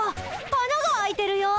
あなが開いてるよ。